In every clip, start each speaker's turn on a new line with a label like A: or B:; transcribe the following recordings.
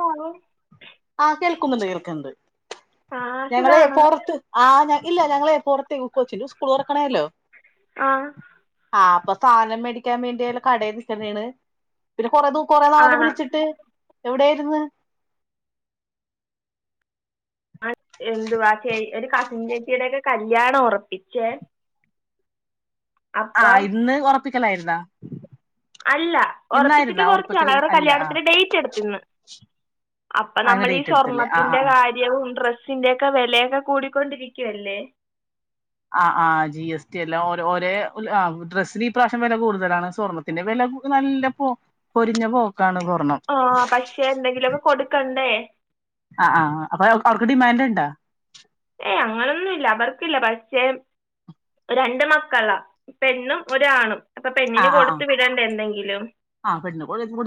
A: Hello
B: ആഹ് കേൾക്കുന്നുണ്ട് കേൾക്കുന്നുണ്ട്
A: ആ
B: ഞങ്ങളെ
A: സുഖാണ്
B: പുറത്ത് ആഹ് ഞ ഇല്ല ഞങ്ങളെ പുറത്ത് കൊച്ചിന് സ്കൂൾ തുറക്കണേല്ലോ
A: ആഹ്
B: ആഹ് അപ്പ സാധനം മേടിക്കാൻ വേണ്ടിയ്ള്ള കടെ നിക്കുന്നാണ് പിന്നെ കൊറ ദൂ കൊറെ നാളല്ലെ
A: ആണ്
B: വിളിച്ചിട്ട് എവിടെ ആയിരിന്ന്
A: ആ എന്തുവാ ചേ ഒരു കസിൻ ചേച്ചിയുടൊക്കെ കല്യാണം ഉറപ്പിച്ചേ
B: ആഹ്
A: അപ്പം
B: ഇന്ന് ഉറപ്പിക്കലായിരുന്നാ
A: അല്ല ഉറപ്പിച്ചിട്ട് കുറച്ചാളായി അവരുടെ
B: അല്ല ആഹ്
A: കല്യാണത്തിന്റെ ഡേറ്റ് അടുത്തിന്ന് അപ്പൊ
B: ആഹ് ഇന്ന്
A: നമ്മൾ ഈ
B: ഡേറ്റ് എടുത്തല്ലേ ആഹ്
A: സ്വർണത്തിന്റെ
B: ആഹ്
A: കാര്യ
B: ആഹ്
A: കാര്യവും ഡ്രസ്സിന്റെ ഒക്കെ വിലയൊക്കെ കൂടിക്കൊണ്ടിരിക്കുവല്ലേ
B: ആഹ് ആഹ് ജി എസ് ടി എല്ലാംരേ ഡ്രസ്ന് ഇപ്രാവശ്യം വില കൂടുതലാണ് സ്വർണ സ്വർണത്തിന്റെ വില നല്ല പോ പൊരിഞ്ഞ പോക്കാണ് സ്വർണം
A: ആഹ് പക്ഷെ എന്തെങ്കിലുമൊക്കെ കൊടുക്കണ്ടേ
B: ആഹ് ആഹ് അപ്പൊ അവർക്ക് ഡിമാൻഡ് ഇണ്ടാ
A: ഏയ് അങ്ങനൊന്നുംല്ല അവർക്കില്ല പക്ഷെ രണ്ട് മക്കളാ പെണ്ണും ഒരാണും അപ്പൊ പെണ്ണിന് കൊടുത്ത് വിടണ്ടെ എന്തെങ്കിലും
B: ആ പെണ്ണ്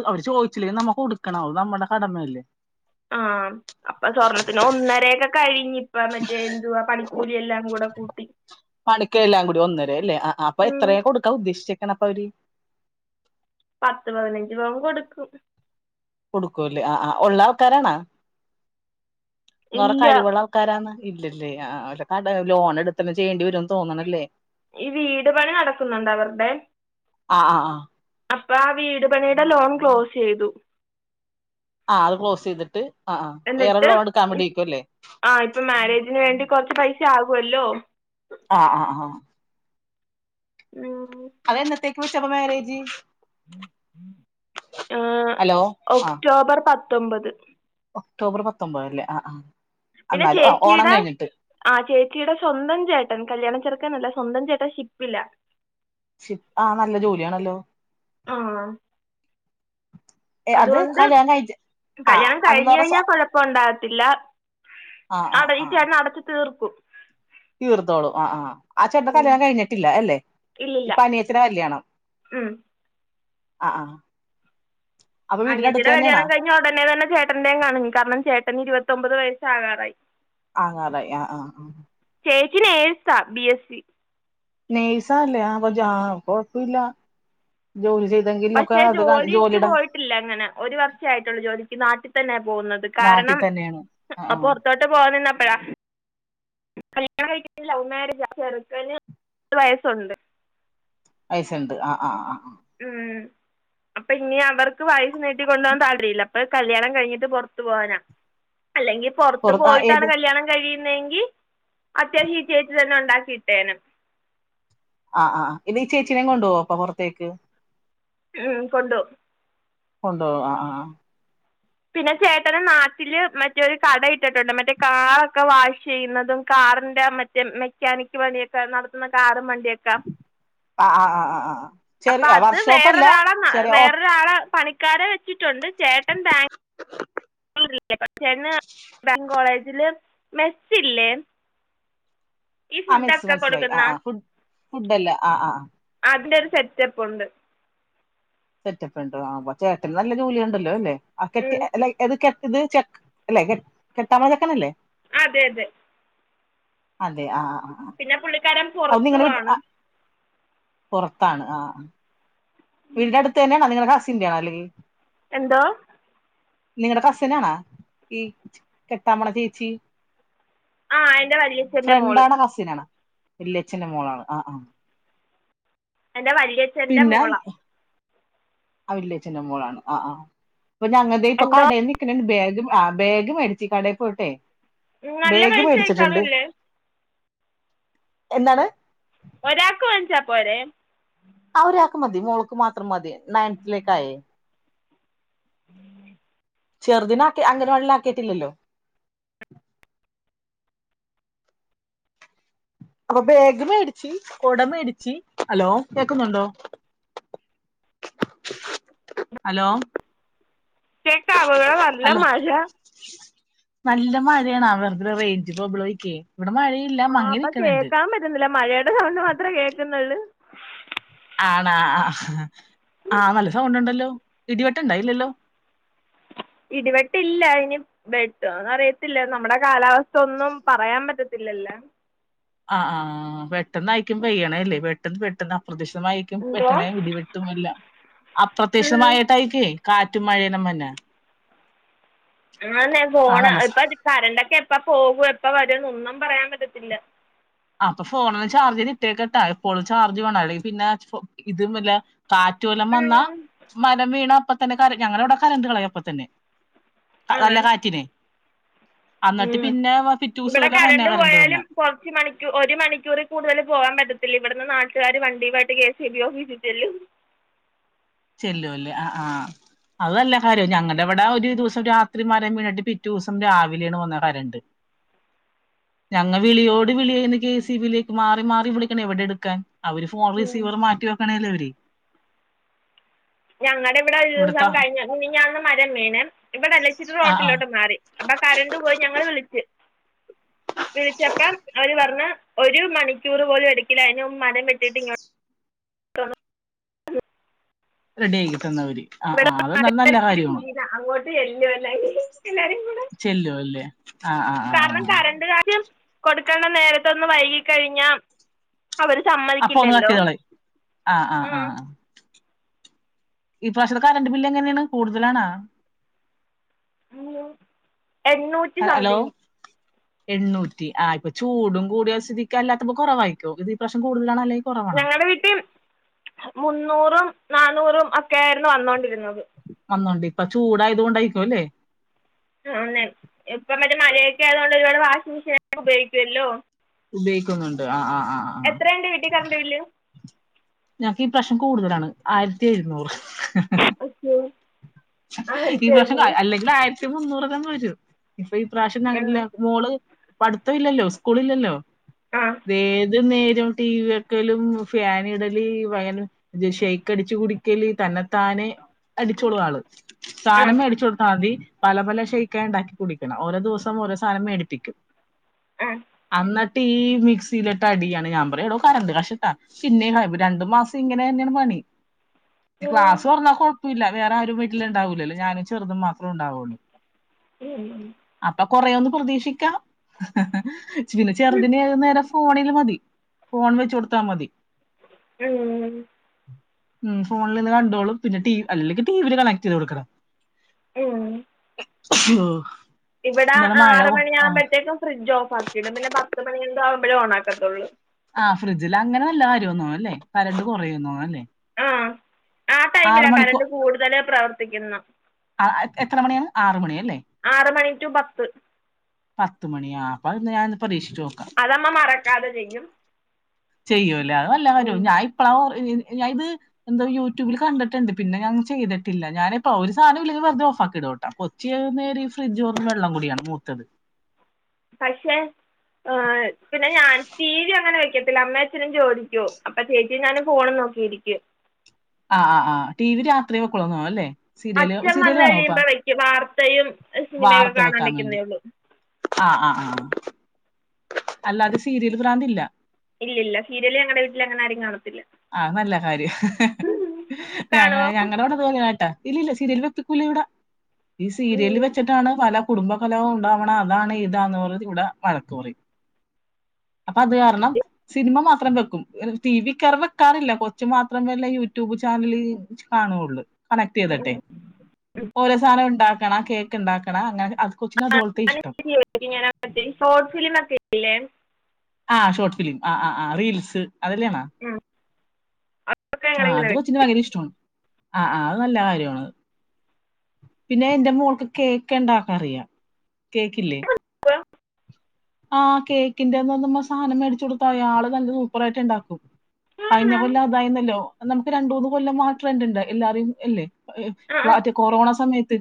B: അവര് ചോദിച്ചില്ലെങ്കലും നമ്മൾ കൊടുക്കണം അത് നമ്മുടെ കടമയല്ലേ
A: ആഹ് അപ്പൊ സ്വർണത്തിന് ഒന്നരയൊക്കെ കഴിഞ്ഞ് ഇപ്പ മറ്റേ എന്തുവാ പണിക്കൂലിയെല്ലാം കൂടെ കൂട്ടി
B: പണിക്ക എല്ലാം കൂടി ഒന്നര അല്ലേ അപ്പൊ
A: ഉം
B: എത്രയാ കൊടുക്കാൻ ഉദ്ദേശിച്ചക്കണ് അപ്പൊ അവര്
A: പത്ത് പതിനഞ്ച് പവൻ കൊടുക്കും
B: കൊടുക്കൂല്ലേ ആഹ് ആഹ് ഉള്ള ആൾക്കാരാണോ ന്ന് പറഞ്ഞാ
A: ഇല്ല
B: കഴിവുള്ള ആൾ ആൾക്കാരാണ് ഇല്ലല്ലേ ആ അല്ല ലോൺ എടുതൊക്കെ ചെയ്യേണ്ടി വരന്ന് തോന്നണല്ലേ
A: ഈ വീട് പണി നടക്കുന്നുണ്ട് അവരുടെ
B: ആഹ് ആഹ് ആഹ്
A: അപ്പൊ ആ വീട് പണിയുടെ ലോൺ ക്ലോസ് ചെയ്തു
B: ആഹ് അത് ക്ലോസ് ചെയ്തിട്ട് ആ വേറെ
A: എന്നിട്ട്
B: ലോൺ എടുക്കാൻ വേണ്ടിയെയ്ക്കും അല്ലേ
A: ആഹ് ഇപ്പൊ മാരേജിന് വേണ്ടി കൊറച്ച് പൈസ ആകുമല്ലോ!
B: ആഹ് ആഹ് ആഹ്
A: ഉം
B: അതെന്നത്തേക്ക് വെച് അപ്പ മാരേജ്
A: ഉം
B: ഹലോ ആ
A: ഒക്ടോബർ പത്തൊമ്പത്
B: ഒക്ടോബർ പത്തൊമ്പത് ല്ലെ ആഹ് ആഹ്
A: പിന്നെ
B: അന്നാലും ആഹ് ഓണം
A: ചേച്ചിയുടെ
B: കഴ്ഞ്ഞിട്ട്
A: ആഹ് ചേച്ചീടെ സ്വന്തം ചേട്ടൻ കല്യാണം ചെറുക്കൻ അല്ല സ്വന്തം ചേട്ടൻ ഷിപ്പില
B: ഷിപ് ആഹ് നല്ല ജോലിയാണല്ലൊ
A: ആഹ്
B: ഏ അത്
A: അതൊണ്ട്
B: കല്യാണം കഴിച്ച ആ
A: കല്യാണം
B: അതെന്ന്
A: കഴിഞ്ഞ്
B: പറഞ്ഞ
A: കഴിഞ്ഞാൽ കൊഴ പ്പണ്ടാകത്തില്ല
B: ആ ആ
A: അട ഈ
B: ആ
A: ചേട്ടൻ അടച്ച് തീർക്കും
B: തീർത്തോളും ആഹ് ആഹ് ആഹ് ചേട്ടൻ്റെ
A: ഉം.
B: കല്ല്യാണം കഴിഞ്ഞിട്ടില്ല അല്ലെ
A: ഇല്ലില്ല
B: ഇപ്പ അനിയത്തിട കല്യാണം
A: ഉം.
B: ആഹ് ആഹ്
A: അനിയത്തിടെ കല്യാണം കഴിഞ്ഞ ഉടനെ തന്നെ ചേട്ടന്റെ കാണും കാരണം ചേട്ടൻ ഇരുപത്തൊമ്പത് വയസ് ആകാറായി
B: ആങ്ങലായി ആഹ് ആഹ്
A: ചേച്ചി നേഴ്സ ബീ എസ്സി
B: നേയ്സാ ണല്ലെ അപ്പൊ ജാ കൊഴപ്പല്ല ജോലി ചെയ്തെങ്കി
A: പഷെ ജോലിക്ക് പോയിട്ടില്ല ഇങ്ങനെ ഒര് വർഷെ ആയിട്ടൊള്ളു ജോലിക്ക് നാട്ടി തന്നെ പോവുന്നത്
B: നാട്ടിൽ
A: കാരണം
B: തന്നെയാണ് ആ
A: അ
B: ആ
A: പൊറ്ത്തോട്ട് പോവാ നിന്നപ്പഴാ കല്യാണം കഴിക്ക്ന്നെ ലൗ മാരേജ ചെറ്ക്കന് വയസ്സുണ്ട്
B: വയസ്സ്ണ്ട് ആഹ് ആഹ് ആഹ് ആഹ്
A: ഉം അപ്പൊ ഇഞി അവർക്ക് വയസ്സ് നീട്ടി കൊണ്ടോവ താൽപര്യല്ല അപ്പൊ കല്യാണം കഴിഞ്ഞിട്ട് പൊറ്ത്ത് പോവാനാ അല്ലെങ്കി പൊറ്ത്ത്
B: പുറത്ത് ആ
A: പോയിട്ടാണ്
B: ഏത്
A: കല്യാണം കഴി യുന്നെങ്കി അത്യാവശി ചേച്ചി തന്നെ ഉണ്ടാക്കി ഇട്ടേനെ
B: ആഹ് ആഹ് ആഹ് ഇത് ഈ ചേച്ചിനെ കൊണ്ടോവൊ അപ്പൊ പൊറത്തേക്ക്
A: ഉം കൊണ്ടൊവും
B: കൊണ്ടോവും ആഹ് ആഹ് ആഹ്
A: പിന്ന ചേട്ടനും നാട്ട്ല് മറ്റൊരു കട ഇട്ടിട്ടുണ്ട് മറ്റെ കാറൊക്കെ വാഷീയ്യുന്നതും കാറിന്റെ മ മെക്കാനിക്ക് പണിയൊക്കെ നടത്ത്ന്ന കാറും വണ്ടിയൊ കം
B: ആ ആ ആ ആ ആ
A: അപ്പ
B: ചെറിയ
A: അത്
B: വർക്ക്ഷോപ്പല്ല
A: വേറൊരാള
B: ചെറിയ ഓ
A: വേറൊരാളെ പണി കാരെ വച്ചിട്ടുണ്ട് ചേട്ടൻ ബാ ചേട്ടന് ബാങ്കോളേജില് മെസ്സില്ലെ
B: ആഹ് മെസ്സ് മൻസ്സിലായി
A: കൊടുക്കുന്ന
B: ആഹ് ആഹ് ഫുഡ്ഡ് ഫുഡ്ഡല്ല ആഹ് ആഹ്
A: അതിൻ്റെ ഒരു സെറ്റപ്പ് ഉണ്ട്
B: സെറ്റപ്പ് ഉണ്ടൊ ആഹ് അപ്പൊ ചേട്ടന് നല്ല ജോലി ഉണ്ടല്ലൊ അല്ലെ ആഹ് കെട്ടി അല്ല ഇത് കെട്ടത് ഇത് ചെ അല്ലെ കെ കെട്ടാൻ പോണ ചെക്കനല്ലെ
A: അതെ അതെ
B: അതെ ആഹ് ആഹ് ആഹ്
A: പിന്ന പുള്ളിക്കാരൻ
B: അത് നിങ്ങളെ വീ
A: പൊറത്തുവാണ്
B: ആഹ് പൊറത്താണ് ആഹ് ആഹ് ആഹ് വീടിന്റ അടുത്ത് തന്ന്യാണൊ നിങ്ങടെ കസിന്റെ ആണൊ അല്ലെങ്കി
A: എന്തോ
B: നിങ്ങടെ കസിനണൊ ഈ കെട്ടാൻ പൊണ ചേച്ചി
A: ആ എൻ്റെ വല്യച്ഛൻ്റെ മോൾ
B: ഫ്രണ്ടാണൊ കസിനാണൊ വല്ല്യച്ചന്റെ മോളാണ് ആഹ് ആഹ്
A: എൻ്റെ വല്യ
B: പിന്ന അലി ആഹ് വല്ല്യഛന്റെ മോളാണ് ആഹ് ആഹ് ഇപ്പൊ ഞങ്ങ തെ ഇപ്പൊ
A: എന്തോ
B: കടയി നിക്ക്ണെണ് ബാഗ് ആഹ് ബാഗ് മേടിച്ച് കടയി പോയിട്ടെ
A: നല്ല
B: ബാഗ്
A: പൈസയൊക്കെ
B: മേടിച്ചിട്ട്ണ്ട്
A: അറിയില്ലേ
B: എന്നാണ്
A: ഒരാക്ക് വാങ്ങിച പോരെ
B: ആഹ് ഒരാക്ക് മതി മോൾക്ക് മാത്രം മതി നയൻത്തിലേക്കായെ ചെറ്തിനെ ആക്കി അംഗനവാടില് ആക്കിയിട്ടില്ലല്ലോ അപ്പൊ ബേഗം മേടിച്ച് കുട മേടിച്ചു ഹലോ കേക്കുന്നുണ്ടോ ഹലോ
A: കേക്കാവോ ഇവിടെ നല്ല
B: ഹലോ
A: മഴ
B: നല്ല മഴയാണ് അവരുടെ റെയ്ഞ്ചും പ്രോബ്ലമൊക്കെ ഇവിടെ മഴയാണ്
A: ആഹ അപ്പൊ കേൾക്കാൻ പറ്റുന്നില്ല മഴയുടെ സൗണ്ട് മാത്രേ കേക്കുന്നുള്ളൂ
B: ആണോ ആ ആഹ് നല്ല സൗണ്ട് ഉണ്ടല്ലോ ഇടിവെട്ട് ഇല്ലല്ലോ
A: ഇടിവെട്ടില്ല അതിന് ബെട്ട്ന്ന് അറിയത്തില്ല നമ്മുടെ കാലാവസ്ഥ ഒന്നും പറയാൻ പറ്റത്തില്ലല്ല
B: ആ ആഹ്ആ പെട്ടെന്ന് അായിക്കുമ്പോ പെയ്യണല്ലേ പെട്ടെന്ന് പെട്ടെന്ന് അപ്രതീക്ഷിതമായി ക്കും
A: എന്തോ
B: പെട്ടണയും ഇടിവെട്ടും എല്ലാം അപ്രത്യക്ഷിമായിട്ടായിക്കേ കാറ്റും മഴേല്ല വന്ന
A: എന്നാലുംന്ന
B: ആ
A: ഫോണ്
B: നല്ല സ-
A: ഇപ്പ കരണ്ടൊക്കെ എപ്പ പോകൂ എപ്പ വരന്ന് ഒന്നും പറയാൻ പറ്റത്തില്ല
B: അപ്പൊ ഫോണിന് ചാർജന് ഇട്ടിയേക്ക കേട്ടാ എപ്പോഴും ചാർജ് വേണ പിന്നെ ഇതും വല്ല കാറ്റുവല്ലം വന്ന
A: ഉം
B: മരം വീണ അപ്പ തന്നെ ക ഞങ്ങള അവിടെ കരണ്ട് കളയപ്പ തന്നെ
A: ആണ്
B: നല്ല കാറ്റിനെ അന്നിട്ട്
A: ഉം
B: പിന്നെ പിറ്റൂസ്
A: ഇവിടെ
B: പോല്ലെ മന്നേ
A: കറണ്ട്
B: കരണ്ട് വന്ന
A: പോയാലും കുറച്ച് മണിക്കൂർ ഒരു മണിക്കൂർ കൂടുതൽ പോകാൻ പറ്റത്തില്ല ഇവിടുന്ന് നാട്ടുകാര് വണ്ടിയുമായിട്ട് കെ എസ് ബി ഓഫീസിൽ ചെല്ലും
B: ചെല്ലുവല്ലേ ആ ആഹ് അതല്ല കാര്യം ഞങ്ങളുടെ ഇവിടെ ഒരു ദിവസം രാത്രി മരം വീണിട്ടി പിറ്റേ ദിവസം രാവിലെയണ് വന്ന കരണ്ട് ഉണ്ട്
A: ഉ
B: ഞങ്ങൾ വിളിയോട് വിളിയുന്ന കെ സി ബിലേക്ക് മാറി മാറി വിളിക്കണം എവിടെ എടുക്കാൻ അവര് ഫോൺ റിസീവർ മാറ്റി വെക്കണേല്ലേ അവര്
A: ഞങ്ങളുടെ ഇവിടെ ഒരു ദിവസം
B: ഇവിടത്തെ
A: കഴിഞ്ഞ മിനിഞ്ഞാന്ന് മരം വീണ് ഇവിടെല്ലച്ചിരി
B: ആ ആ
A: റോട്ടിലോട്ട് മാറി അപ്പൊ കരണ്ട് പോയി ഞങ്ങള് വിളിച്ച് വിളിച്ചപ്പ അവര് പറഞ്ഞ ഒരു മണിക്കൂർ പോലും എടുക്കില്ല അതിനന് മരം വെട്ടിട്ട്
B: റെഡി ആക്കി തന്നവര് ആ
A: ഇവിടെ
B: ആ അത്
A: നാട്ടുകാർ
B: നല്ല കാര്യമാണ്
A: അങ്ങോട്ട് ചെല്ലൂ അല്ലെങ്കി എല്ലാരും കൂടെ
B: ചെല്ലു അല്ലേ
A: കാരണം കറണ്ട് കാര്യം കൊടുക്കണ്ട നേരത്തൊന്ന് വൈകി കഴിഞ്ഞാ അവര്
B: അപ്പൊ ഒന്ന് കട്ട്
A: സമ്മതിക്കില്ലല്ലോ
B: ചെയ്തോളീം ആ ആ ആ ആ.
A: ഉം
B: ഈ പ്രാവശ്യത്തെ കരണ്ട് ബില്ല് എങ്ങനെയാണ് കൂടുതലാണാ
A: എണ്ണൂറ്റ
B: ഹലോ
A: ഉ
B: എണ്ണൂറ്റി ആ ഇപ്പൊ ചൂടും കൂടിയ സ്ഥിതിക്ക് അല്ലാത്തപ്പോ കുറവായിരിക്കോ ഇത്ഈ പ്രവശ്യം കൂടുതലാണല്ലേ
A: ഞങ്ങളുടെ വീട്ടിൽ മുന്നൂറും നാനൂറും ഒക്കെ ആയിരുന്നു വന്നോണ്ടിരുന്നത്
B: വന്നോണ്ട് ഇപ്പ ചൂടായതു കൊണ്ടായിരിക്കും അല്ലേ
A: ആന്നെ ഇപ്പം മറ്റേ മഴയൊക്കെ ആയതൊണ്ട് ഒരുപാട് വാഷിംഗ് മെഷീനെ ഉപയോഗിക്കുവല്ലോ
B: ഉപയോഗിക്കുന്നുണ്ട് ആ ആ ആ ആ
A: എത്രയ ഉണ്ട് വീട്ടിൽ കരണ്ട് ബില്ല്
B: ഞങ്ങക്ക് ഈ പ്രാവശ്യം കൂടുതലാണ് ആയിരത്തി എഴുന്നൂറ്
A: ഓക്കെ
B: ഈ
A: ആയിരത്തി
B: പ്രാവശ്യം
A: എഴുന്നൂറ്
B: അല്ലെങ്കിൽ ആയിരത്തി മുന്നൂറ്ക്കന്നെ വരൂ ഇപ്പൊ ഈ പ്രാവശ്യം അങ്ങന മോള് പഠിത്തം ഇല്ലല്ലോ സ്കൂള് ഇല്ലല്ലോ
A: ആ
B: ഏത് നേരും ടി വി ഒരിക്കലും ഫ്യാന ഇടല് ഭയ ഷെയ്ക്ക് അടിച്ചു കുടിക്കല് തന്നെതാന് അടിച്ചോളു ആള്
A: ആ
B: സാധനം മേടിച്ചു കൊടുത്താൽ മതി പല പല ഷെയ്ക്ക ഉണ്ടാക്കി കുടിക്കണം ഓരോ ദിവസംഓരോ സാധനം മേടിപ്പിക്കും
A: ആ
B: അന്നട്ടീ മിക്സിയിലിട്ട ടിയാണ് ഞാൻ പറയടോ കറണ്ട് കാശ്ട്ടാ ചിന്നേഹായ് രണ്ടു മാസം ഇങ്ങനെ തന്നെയാണ് പണി ക്ലാസ് തൊറന്നൽ കൊഴപ്പല്ല വേറെ ആരും വീട്ടിലിൽ ഉണ്ടാവില്ലല്ലോ ഞാനും ചെറുതും മാത്രം ഉണ്ടാവയുള്ളൂ
A: ഉം ഉം
B: അപ്പൊ കൊറയുവെന്ന് പ്രതീക്ഷിക്കാം ഹ്ഹ് ഹ പിന്നെ ചെറുതിന് ഏത് നേരവും ഫോണില് മതി ഫോൺ വെച്ച് കൊടുത്താമതി
A: ഉഉം
B: ഉം ഫോണിലിരുന്ന് കണ്ടോളും പിന്നെ ടി അല്ലെങ്കിൽ ടി വി ല് കണക്ട് ചെയ്ത് കൊടുക്കണം
A: ഊമ്
B: [unintelligible]
A: ഇവിടെ
B: ഇന്നലെ മഴ
A: ആറ്
B: കൊ- ആ
A: മണിയാകുമ്പോഴത്തേക്കും ഫ്രിഡ്ജ് ഓഫ് ആക്കിയിടും പിന്നെ പത്ത് മണി ആകുമ്പഴേ ഓണാക്കത്തുള്ളൂ
B: ആഹ് ഫ്രിഡ്ജ് അങ്ങനെ നല്ല കാര്യമാന്ന്തോന്നണ് അല്ലേ കറണ്ട് കുറയുന്ന്തോന്നണ് അല്ലേ
A: ആഹ് ആ
B: ആറു
A: ടൈമിലാ
B: മണിക്കോ
A: കറണ്ട് കൂടുതൽ പ്രവർത്തിക്കുന്ന
B: ആഹ് എത്ര മണിയാണ് ആറു മണി അല്ലേ
A: ആറ് മണി റ്റു പത്ത്
B: പത്ത്മണിയോ ആ അപ്പൊ അത് ഞാൻ പരീക്ഷിച്ച് നോക്കാം
A: അതമ്മ മറക്കാതെ ചെയ്യും
B: ചെയ്യുവല്ലേ അത് നല്ല കാര്യമാണ് ഞാൻ ഇപ്പളാ ഇത് ചെയ് എന്തോ യൂടൂബിൽ കണ്ടിട്ടുണ്ട് പിന്നെ ഞാൻ ചെയ്തിട്ടില്ല ഞാനിപ്പോ ഒരു സാധനോം ഇല്ലെങ്കിൽ വെറുതെ ഓഫാക്കി ഇടുവേട്ടോ ഏത് നേരോം ഫ്രിഡ്ജ് തുറന്ന് വെള്ളം കൂടിയാണ് മൂത്തത്
A: പക്ഷെങ് പിന്നെ ഞാൻ ടിവി അങ്ങനെ വെക്കത്തില്ല അമ്മേ ച്ചനും ജോലിക്ക് പോകും അപ്പൊ ചേച്ചീഞാനും ഫോണും നോക്കിയിരിക്കും
B: ആഹ് ആഹ് ആഹ് ടി വി രാത്രി വെക്കുള്ളൂ [unintelligible] അല്ലേ സീരിയല്
A: അച്ഛൻ
B: സീരിയല്
A: വന്ന്
B: കാണോ ഇപ്പ?
A: കഴിയുമ്പോ വയ്ക്കും വാർത്തയും സിനിമയൊക്കെ കാണാൻ വെക്കുന്നേയുള്ളൂ
B: ആഹ് ആഹ് അ അല്ലാതെ സീരിയൽ പഭ്രാന്തില്ല
A: ഇല്ലില്ല സീരിയല് ഞങ്ങടെ വീട്ടിൽ അങ്ങനെ ആരും കാണത്തില്ല
B: ആഹ് അത് നല്ല കാര്യാ ഹ ഹ ഹ് ഞ ഞങ്ങളുടെ അവിടെ ഇത്പോലാണ് ട്ടാ ഇല്ലില്ല സീരിയൽ വെപ്പിക്കൂല വിടെ ഈ സീരിയൽ വെച്ചിട്ടാണ് പല കുടുംബകലഹവും ഉണ്ടാവണെ അതാണ് ഇതാണ് പറഞ്ഞ് ഇവിടെ വഴക്ക് പറയും
A: [inaudible]
B: അപ്പൊ അത് കാരണം സിനിമ മാത്രം വെക്കും ടി വി [unintelligible] വെക്കാറില്ല കൊച്ചു മാത്രം വല്ല യൂട്യൂബ് ചാനല് കാണുവൊള്ളൂ കണക്ട് ചെയ്തിട്ടെ
A: കാണുമോ
B: ഓരോ സാധനം ഉണ്ടാക്കണം കേക്ക് ണ്ടാക്കണം അങ്ങനെ അത് കൊച്ചിന് അതുപോലത്തെ ഇഷ്ടം
A: ഇടക്ക് ഞാൻ ഒറ്റക്ക് ഷോർട്ട് ഫിലിം ഒക്കെഇടിഇല്ലേ
B: ആ ഷോർട്ട് ഫിലിം ആഹ് ആഹ് ആഹ് റീൽസ് അതെല്ലാണോ
A: അതൊക്കെ ഞങ്ങൾ
B: ആഹ്
A: ഇങ്ങനെ
B: അത് കൊച്ചിന് ഭയര ഇഷ്ടമാണ് ആഹ് ആഹ് അത് നല്ല കാര്യവാ ണത് പിന്നെ എൻ്റെ മോൾക്ക് കേക്ക് ഉണ്ടാക്കാറിയാം കേക്കില്ലേ
A: വെക്കും
B: ആഹ് കേക്കിന്റെ നുമ്മ സാധനം മേടിച്ച് കൊടുത്താമതി ആള് നല്ല സൂപ്പറായിട്ട് ഉണ്ടാക്കും കഴിഞ്ഞ
A: ആണോ
B: കൊല്ലം അതായിരുന്നല്ലോ നമുക്ക് രണ്ട് മൂന്ന് കൊല്ലം ആ ട്രെൻഡ് ഉണ്ട് എല്ലാതിലും ഇല്ലേ
A: ആ ആ
B: മറ്റേ കൊറോണ സമയത്ത്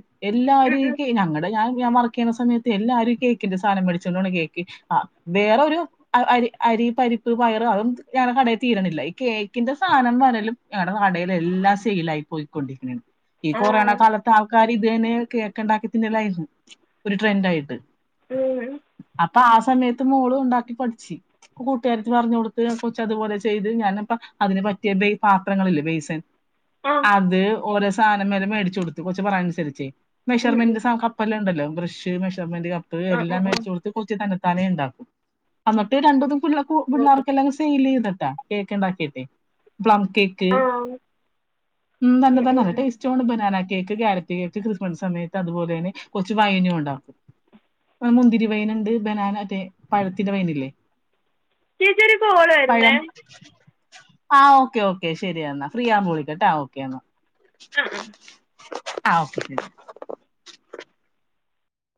A: ഉം
B: എല്ലാരും ഈ
A: ഉം.
B: കേ ഞങ്ങളുടെ ഞാൻ ഞാൻ മർക്ക് ക്കെ സമയത്ത് എല്ലാരും ഈ കേക്കിന്റെ സാധനം മേടിച്ചോണ്ട് പോണ് കേക്ക് ആഹ് വേറൊരു അരി അരി പരിപ്പ് പയറ് അതൊന്നും ഞങ്ങടെ കടയിൽ തീരണില്ല ഈ കേക്കിന്റെ സാധനം വരലും ഞങ്ങടെ കടയിൽ എല്ലാം സെയിലായി പൊയിക്കൊണ്ടിരിക്കണത് ഈ
A: ആ
B: കൊറോണ ആൾക്കാര് ഇത് തന്നെ കേക്ക് ണ്ടാക്കി തിന്നലായിരുന്നു ഒരു ട്രെൻന്റായിട്ട്
A: ഊ ഉം
B: അപ്പൊ ആ സമയത്ത് മോളും ഉണ്ടാക്കി പഠിച്ചു കൂട്ടുകാരത്തി പറഞ്ഞുകൊടുത്ത് ആ കൊച്ച് അതുപോലെ ചെയ്ത് ഞാനപ്പം അതിന് പറ്റിയ പാത്രങ്ങളില്ലേ ബേയ്സൻ
A: ആഹ്
B: അത് ഓരോ സാധനങ്ങള് മേട്ച്ച് കൊടുത്ത് കൊച്ച് പറയണത് അൻസരിച്ച്
A: ഉം ഉം.
B: മെഷർമെന്റ് സാ കപ്പ് എല്ലാം ഇണ്ടല്ലോ ബ്രഷ് മെഷർമെന്റ് കപ്പ്
A: ആ ആ
B: എല്ലാം
A: ആ
B: മേട്ച്ച് കൊട് ഇപ്പൊ കൊച്ച് തന്നത്താനെ ഇണ്ടാക്കും എന്നിട്ട് രണ്ട് മൂന്ന്
A: ഓ
B: പിള്ളേർക്കെല്ലാം സെയിൽ ചെയ്ത്ട്ടാ കേക്ക് ഇണ്ടാക്കീട്ടെ പ്ലം കേക്ക്
A: ആ
B: ഉം തന്നെ തന്നെ നലടേസ് ച്ചോണ് banana cake carrot cake Christmas സമയത്ത് അതുപോലെന്നെ കൊർച്ച് വൈനും ഉണ്ടാക്കും. മുന്തിരി വൈനുണ്ട് ബനാന മറ്റേ പഴത്തിന്റെ വൈനില്ലേ
A: ചേച്ചി ഒരു കോൾ
B: പഴം
A: വരുന്നേ
B: ആഹ് ഓക്കെ ഓക്കെ ശരിയെന്നാ ഫ്രീ ആകുമ്പോ വിളിക്കട്ട ആഹ് ഓക്കെ എന്നാ
A: ആഹ് ആഹ്
B: ആഹ് ഓക്കെക്കെ